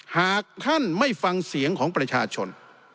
หากท่านไม่ฟังเสียงของประชาชน